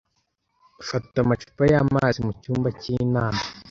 Fata amacupa yamazi mucyumba cyinama.